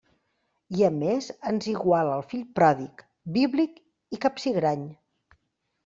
I a més ens iguala al fill pròdig, bíblic i capsigrany.